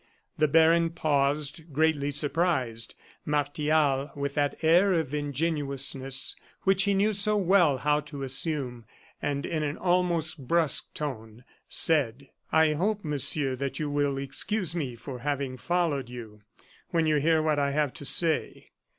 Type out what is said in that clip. The baron paused, greatly surprised; Martial, with that air of ingenuousness which he knew so well how to assume, and in an almost brusque tone, said: "I hope, Monsieur, that you will excuse me for having followed you, when you hear what I have to say.